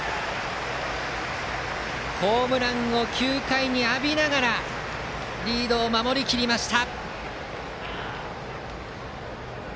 ホームランを９回に浴びながらリードを守りきりました。